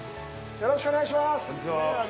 よろしくお願いします。